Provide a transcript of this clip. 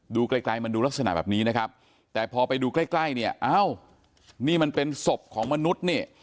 ไกลมันดูลักษณะแบบนี้นะครับแต่พอไปดูใกล้ใกล้เนี่ยอ้าวนี่มันเป็นศพของมนุษย์นี่